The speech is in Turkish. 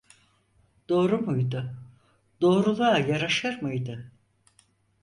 Doğru muydu, doğruluğa yaraşır mıydı?